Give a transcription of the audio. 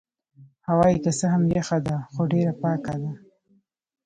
هوا يې که څه هم یخه ده خو ډېره پاکه ده.